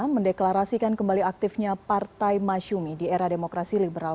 mendeklarasikan kembali aktifnya partai masyumi di era demokrasi liberal